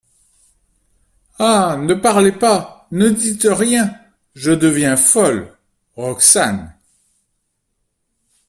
Ah ! ne parlez pas, ne dites rien !… Je deviens folle ! ROXANE.